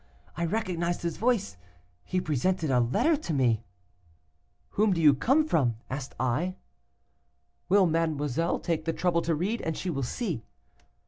I recognized his voice; he presented a letter to me. "'Whom do you come from?' asked I. 'Will mademoiselle take the trouble to read, and she will see.